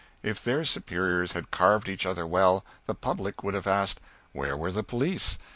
If their superiors had carved each other well, the public would have asked, Where were the police?